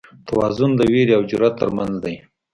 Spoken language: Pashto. توازن د وېرې او جرئت تر منځ دی.